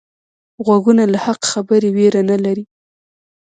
غوږونه له حق خبرې ویره نه لري